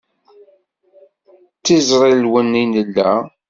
D iẓrilwen i nella.